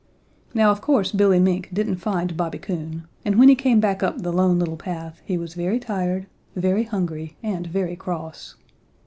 Now of course Billy Mink didn't find Bobby Coon, and when he came back up the Lone Little Path he was very tired, very hungry and very cross.